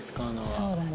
そうだね。